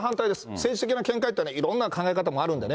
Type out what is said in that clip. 政治的な見解っていうのはいろんな考え方もあるんでね。